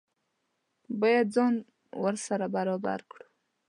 باید ځان ورسره برابر کړو.